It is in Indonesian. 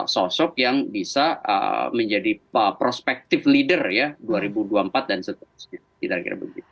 sosok yang bisa menjadi prospective leader ya dua ribu dua puluh empat dan seterusnya